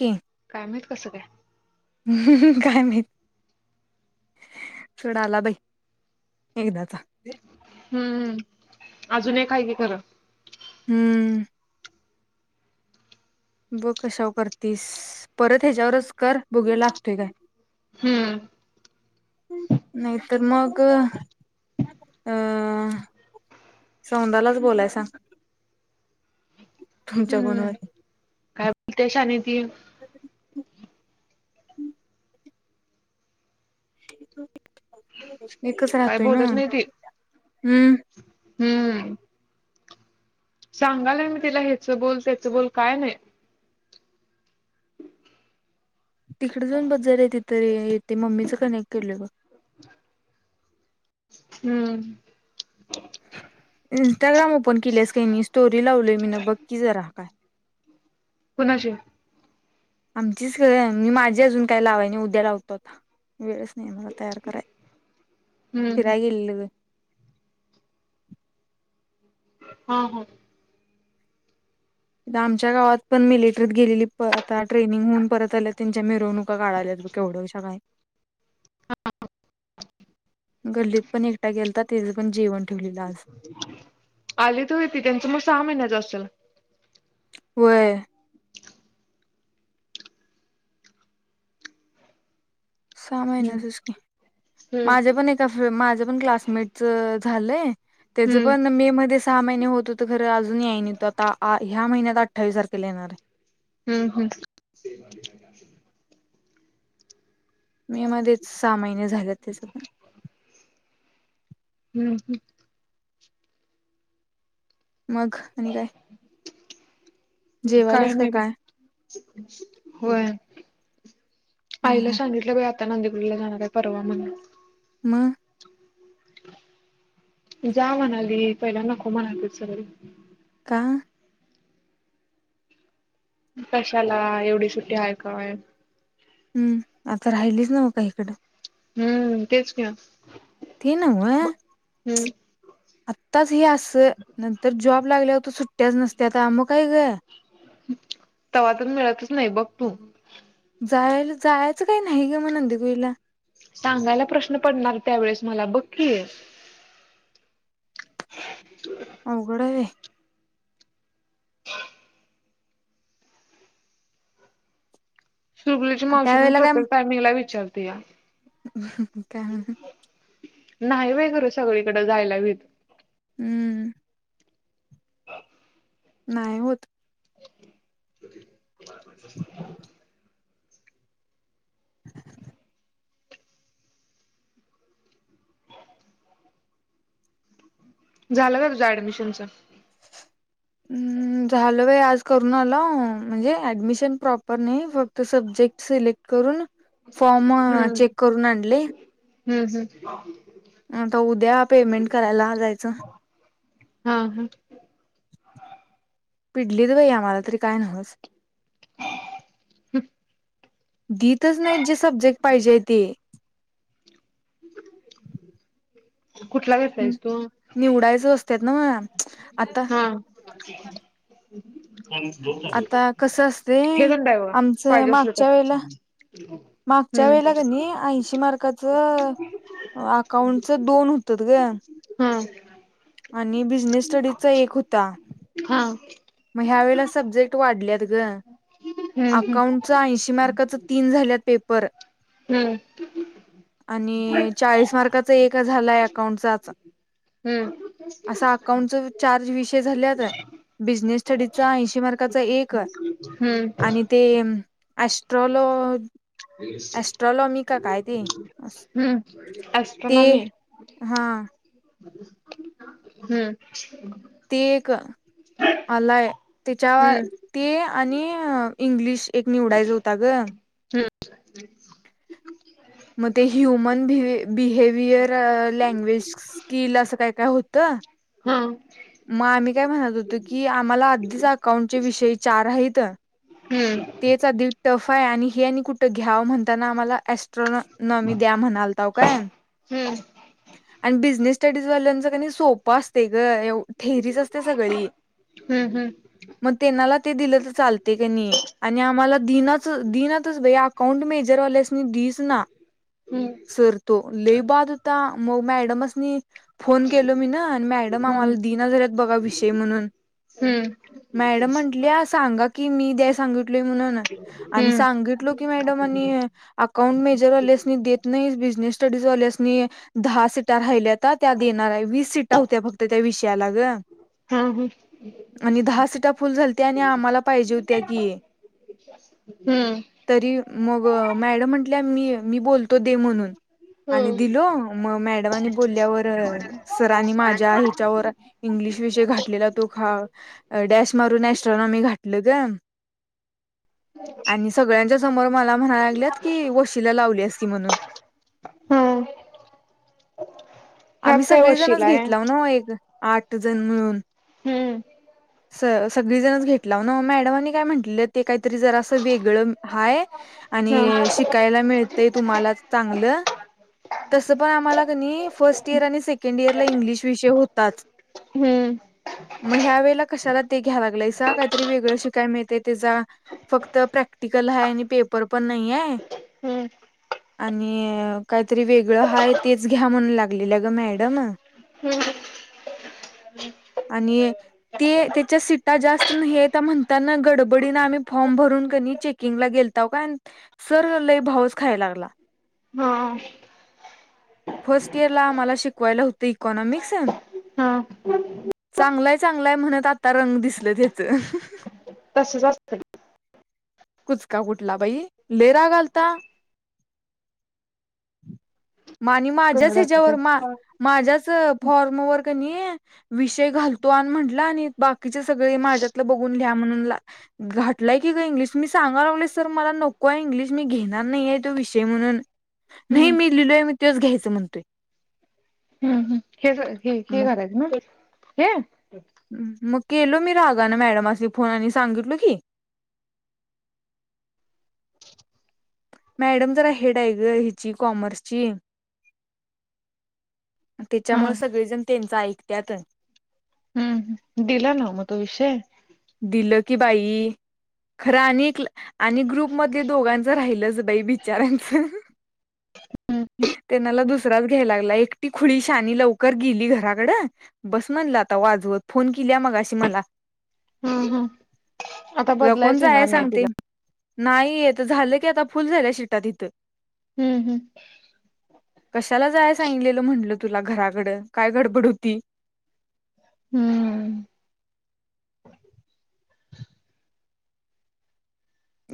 ह काय माहित कसं काय ह काय नाही. सोड आला बाई एकदाचा. हम्मम् अजूनही हाय की खरं. हम्म, ब कशावर करतीस परत ह्याच्यावरच कर बघुया लागतोय काय, हम्म नाही तर मग अं सौंदालाच बोलाय सांग तुमच्या हम्म बरोबर काय बोलते शानी ती [inaudible] एकच काय राहतोय ना, बोलत नाही ती हम्म हम्म सांगायलान मी तिला हेच बोल त्याच बोल काय नाही [inaudible] तिकडे जाऊन बघ तिथे येते, मम्मीच कनेक्ट केलं मी. [inaudible] हम्म इंस्टाग्राम ओपन केल्यास की नाही, स्टोरी लावलीय मी ना बघ की जरा. कोणाची? आमचीच ग, मी माझे अजून काही लावाय नाही उद्या लावतो आता वेळच नाही मला तयार कराय, हम्म फिराय गेलेलो. हा हा आमच्या गावात पण मिलिटरीत गेलेली आता ट्रेनिंग होऊन परत आल्या त्यांच्या मिरवणुका काढायल्या. केवढंशा काय हा गल्लीत पण एकटा गेलता तिथे पण जेवण ठेवलेलं आज आली तर होती, त्यांचं मग सहा महिन्याच असेल. होय सहा हम्म महिन्याचचं की, हम्म माझ्या पण एका फ्रें माझ्या पण क्लासमेटच अ झालंय त्याचं हम्म पण मे मध्ये सहा महिने होत होतं, खरं अजून यायनाहीत आता आ ह्या महिन्यात तो अठ्ठावीस तारखेला येणार आहे. हम्म हम् मे मध्येचं सहा महिने झालेत त्याच पण हम्म हम्म मग, आणि काय? जेवायलास कायम का येऊदे. काय होय. ह आईला ह सांगितलोय बाई आता नंदेकुडिला जाणार आहे परवा म्हणून म जा म्हणाली पहिला नको म्हणालतीत सगळी पाहा कशाला, एवढी सुट्टी आहे काय? हम्म, आता राहिलीस न्हवं का इकडं हम्म तेच कि ते न्हवं, हम्म आत्ताच हे असं नंतर जॉब लागल्यावर तर सुट्ट्याच नसत्याता म काय गं? हं तवा तर मिळतच नाही बघ तू जायला जायचं काही नाही ग म नंदेकुईला सांगायला प्रश्न पडणार त्यावेेळेस मला बघ कि अवघड आहे बाई [unintelligible] सुरगुलीची बाई मावशी पण प्रत्येक टायमिंगला विचारतिया हं हं काय म [unintelligible] नाही बाई खरं सगळीकडे जायला व्हित हम्म नाही होत. कधी उन्हाळ्यात [unintelligible] [inaudible] झालं का तुझ्या ऍडमिशनचं? [unintelligible] अं झालं बाई आज करून आलाव म्हणजे ऍडमिशन प्रॉपर नाही फक्त सब्जेक्ट सिलेक्ट करून फॉर्म अ हम्म चेक करून आणले हम्म हम्म आता उद्या पेमेंट करायला जायचं हा हा पिडलीत बाई आम्हाला तरी काय न्हवंच हम दितच नाहीत जे सब्जेक्ट पाहिजेय ते कुठला घेतलायस तू? निवडायचं असतात ना मग आता हा काय आणि मग दोन झाले होतेत आता ना कसं असते हे पण आहे बघा आमचं पाहिजे असल मागच्या वेळेला तर मागच्या हम्म वेळेला कणी ऐंशी मार्काचं अ अकाऊंटचं दोन हुतत गं हा आणि बिझनेस स्टडीजचा एक होता हा हम्म ह्यावेळेला सब्जेक्ट वाढल्यात गं हम्म अकाऊंटच ऐंशी मार्क काचं तीन झाल्यात पेपर हम्म आणि चाळीस मार्काचा एक झालाय अकाउंटचाचं हम्म असा अकाउंटचा चार्ज विषय झाल्यात बिझनेस स्टडीचा ऐंशी मार्काचा एक हम्म आणि ते एस्ट्रलॉ एस्ट्रॉलॉमी का काय ते हम्म ते ॲस्ट्रॉनॉमी हा हम्म ते एक आलाय त्याच्यावर हम्म ते आणि इंग्लिश एक निवडायचा होता ग हम्म मग ते ह्युमन बिहेवियर लँग्वेज स्किल असं काय काय होतं ह हा मग आम्ही काय म्हणत होतो की आम्हाला अधीच अकाउंटचे विषयी चार आहेत हम्म तेच आधि टफ हाय हे आणि कुठं घ्याव म्हणताना आम्हाला एस्ट्रोन न मी द्या म्हणालताव काय हम्म आणि बिझनेस स्टडीज वाल्यांचं कनी सोपं असते ग एव थेरीच असते सगळी हम्म मग त्यांनाला ते दिलं तर चालते तेनी आणि आम्हाला दिनच दिनतच अकाउंट मेजरवाल्यासनी दिच ना हम्म सर तो लेई बाद होता मग मॅडमसनी फोन केल मी ना आणि मॅडम हम्म आम्हाला दिना झालेत बघा विषय म्हणून हम्म मॅडम म्हंटले सांगा की मी द्या सांगित म्हणून हम्म सांगितलो की मॅडम आणि अकाउंट मेजरवाल्यासनी देत नाहि बिजनेस स्टडीज वाल्यासनी दहा सीट राहिल्या त्या देणार वीस सीट होत्या फक्त त्या विषयाला ग हम्म आणि दहा सीटा फुल झालत्या आणि आम्हाला पाहिजे होत्या कि हम्म मग मॅडम म्हटल्या मी बोलतो दे म्हणून आणि हम् दिलो मग मॅडमनी बोलल्यावर सरांनी माझ्या ह्याच्यावर इंग्लिश विषय घाठलेला तो डॅश मारून अस्ट्रॉनोमि घातल ग आणि सगळ्यांच्या समोर मला म्हणायला लागल्यात की वशीला लावलीस की म्हणून ह आम्ही सगळे जणच घेतलाव ना एक आठ जण मिळून हम्म सगळीजण घेतलाव ना नी काय म्हटलं ते का त जरा असं वेगळ हाय हम्म आणि शिकायला मिळतय तुम्हाला चांगलं तसं पण आम्हाला कनी फर्स्ट इयर आणि सेकंड इयरला इंग्लिश विषय होताच हम्म मग ह्या वेळेला कशाला ते घ्या लागला काहीतरी वेगळं शिकायला मिळत त्याचा फक्त प्रॅक्टिकल हाय आणि पेपर पण नाहीय हम्म आणि काहीतरी वेगळं हाय तेच घ्या म्हणून लागलेलं ग मॅडम हम्म [inaudible] आणि ते त्याच्या सीटा जास्त म्हणताना गडबडी आम्ही फॉर्म भ ून कनी चेकिंगला गेलताव सर लय भाऊस खाया लागला हा फर्स्ट इयर ला आम्हाला शिकवायला होतं इकॉनॉमिक्स हा चांगलाय चांगलाय म्हणत आता रंग दिसल त्याच तसं ज कुचका कुठला बाई लेराग आलता हम् मा आणि करून माझ्याच दाखवते. ह्याच्यावर मा हम्म माझ्याच फॉर्मवर कनी नाही विषय घालतो आणि म्हटला आणि बाकीचे सगळे माझ्यातलं बघून घ्या [inaudible] मी सांगाला लावले सर मला नको आहे इंग्लिश मी घेणार नाही आहे तो विषय म्हणून नाही मी लिहिलोय मी तेच घ्यायचं म्हणतोय हम्म ह् हे हे हे मग करायच ना हे मग केलो मी रागा ना मॅडमे फोन आणि सांगितलो की [inaudible] मॅडम जरा हेड आहे ग हिची कॉमर्सची हा त्याच्यामुळे सगळेजण त्यांच ऐकत्यातच हम्म दिला ना मतो विषय दिलं की बाई खरं आणि आणि ग्रुप मध दोघांचं राहिलंच बाई बिचारांचं ते नला दुस [unintelligible] घायलाय एकटी शानी खुळी मनल लवकर गेली घराकडंबस मनल आता वाजवत मग अ मला हम्म हम्म आता तुला कोण बदलायच जा येणार नाही सांगते तिला नाहीयेत झालं की आता फुल झाल्या शिटात इथं हम्म हम्म कशाला जाय सांगलेलं म्हटल तुला घराकड काय गडबड होती हम्म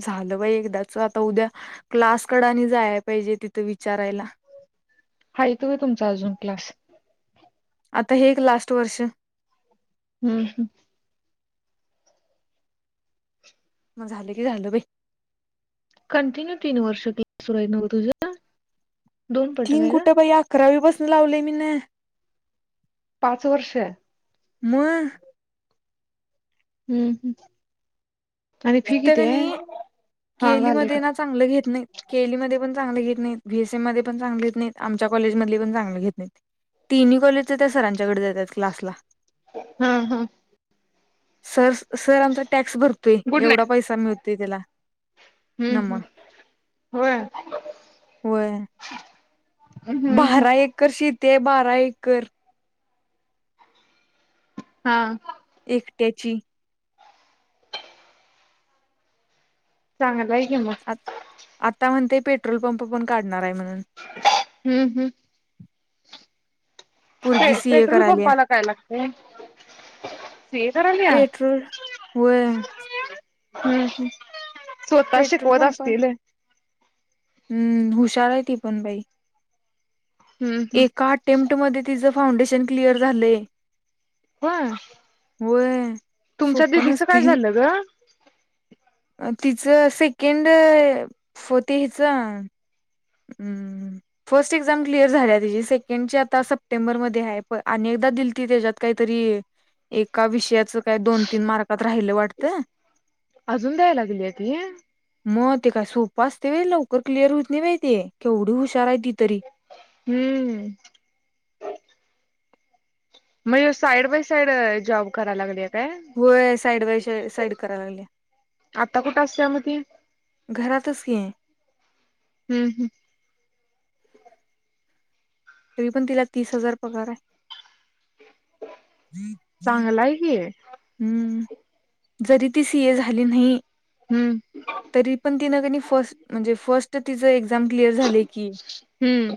झालं बाय एकदाच आता उद्या क्लास कडाने जायला पाहिजे तिथं विचारायला [inaudible] हा य तो आहे तुमचा अजून क्लास आता हे एक लास्ट वर्ष हम् हम म झााले की झाल्ल बाई कंटिन्यू तीन वर्ष क्ला सुर न तुझ तीन कुठे पई अकरावी बसून लावलेय मी न पाच वर्षे म हम्म हम्म आणि इ फी किती आहे क हा केली म घालय ना चांगलं घेत नाही केलीमध्ये पण चगले घेत नाहीत बीएसएम मध्ये पण चांगले घेत नाहीत आमच्या कॉज ममध्ये पण चांगले घेत नाहीत तिन्ही कॉलेज त्या सरांच्याकडे जातात क्लासला हम् हम् सर सर आमचा टॅक्स भरतोय गुड एवढा नाईट पैसा मिळतोय त्याला हम्म नम हम् होय होय हम्म हम्म बारा एकर शीते आहे बारा एकर हा एकट्याची चांगला आ आता म्हणते पेट्रोल पंप पण काढणार आहे म्हण हम्म हम्म प पोरगी सीए पेट्रोल पंपाला काय लागते पेट्रोलोल व हम्म हम् स्वतः पेट्रोल शिकवत पंप असतील हम्म हुशार आहे ती पण बाई हम्म हम्म एका अटेम्प्टमध्ये तिचं फाउंडेशन क्लिअर झालंय होय होय तुमच्या सोप दिदीचं काय नचते झालं ग तिचं सेकंड फोथ हेच फर्स्ट एक्झाम क्लिअर झाली त सेकंड ची आता सप्टेंबर मध्ये आहे दिलती त्याच्यात काहीतरी एका विषयाच काय दोन तीन मार्कात राहिलं वाटतं. अजून द्यायला गेली आहे ती? मग ते काय सोपं असते व लवकर क्लिअर होत नाही माहिती केवढी हुशार आहे तिथ- हम्म... म्हणजे साईड बाय साईड जॉब कराय लागलीय- काय होय साईड बाय साईड करायला लागली. आता कुठं असते मग ते? घरातच की हम्म हम्म... तरी पण तिला तीस हजार पगार आहे. चांगलंय हम्म कि- जरी ती सी ए झाली नाही हम्म तरी पण तिन कणी फस्ट म्हणजे फस्ट- म्हणून तर तीच एक्झाम क्लिअर झाले की हम्म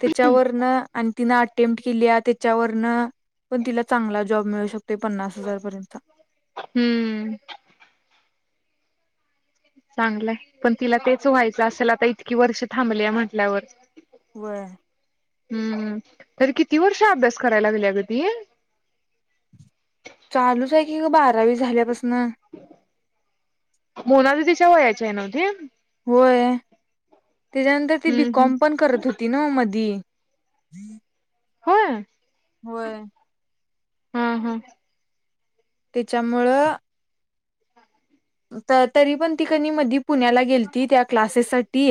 त्याच्यावर - आणि तिन अटे-मप्ट केली त्याच्यावरन पण तिला चांगला जॉब मिळू शकतो. ते पन्नास हजार पर्यंत. हम्म चांगलंय पण तिला तेच व्हायचं असेल आता इतकी वर्ष थांबली म्हटल्यावर. वर.. हम्म तरी किती वर्ष अभ्यास करायला लागेले अगदी? चालूच आहे की बारावी झाल्यापासून - मोनाली च्या तिच्या वयाच्या आहे नव्ह ते- होय त्याच्यानंतर ती बी हम्म हम्म कॉम पण करत होती ना मधी. ही [inaudible] होय... होय... ह ह त्याच्यामुळं- तर तरी पण ती कधी मधी- पुण्याला गेलती त्या क्लासेस साठी.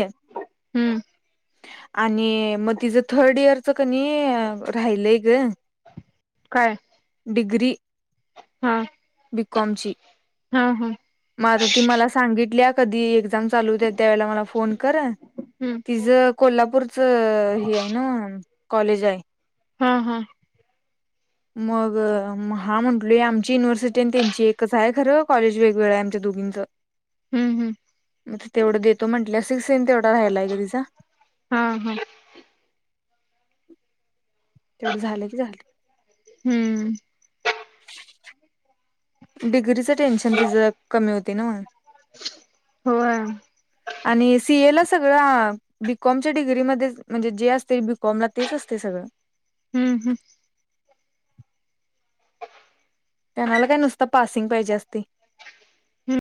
हम्म आणि मग तिचं थर्ड इयरचं कणी राहिलंय ग. काय.... डिग्री... हा बिकॉम ची हा हा म आता ती मला सांगितली- कधी एक्झाम चालूत त्या वेळेला मला फोन कर- हम्म तिचं कोल्हापूरचं हे आहे ना कॉलेज आहे. हा हा... मग हा म्हटल आण- आमची युनिव्हर्सिटी आणि त्यांची एकच आहे खरं कॉलेज वेगवेगळं आहे आमच्या दोघींच. हम्म हम्म मग त तेवढं देतो म्हंटल्या. ससीवढा राहिलाय का तिचा [unintelligible] हा हा तेवढं झालं की झालं. हम्म डिग्रीचं टेन्शन तिच कमी होते ना- होय हम्म आणि सी एल च- बीकॉम चि डिग्री मधेच म्हणजे जी असते बि- फॉमला तेच असते सगळं. हम्म त्यांनला काय नुसत पासिंग पाहिजे असते. हम्म